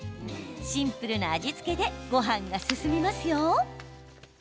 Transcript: シンプルな味付けでごはんが進みますよ。